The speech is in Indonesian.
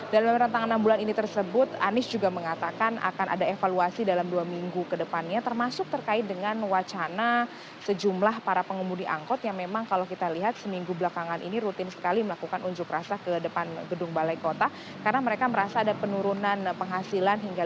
dan dalam rantangan enam bulan ini tersebut anies juga mengatakan akan ada evaluasi